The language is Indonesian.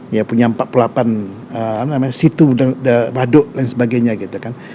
ya punya empat puluh delapan situ waduk dan sebagainya gitu kan